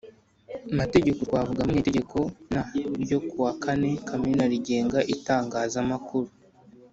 mategeko twavugamo nk Itegeko n ryo ku wa kane kamena rigenga itangazamakuru